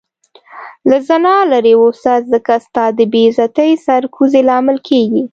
له زنا لرې اوسه ځکه ستا د بی عزتي سر کوزي لامل کيږې